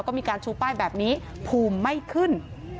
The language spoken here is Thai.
ก็มีการชูป้ายแบบนี้ภูมิไม่ขึ้น